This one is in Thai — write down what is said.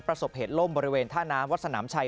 ประสบเหตุล่มบริเวณท่าน้ำวัดสนามชัย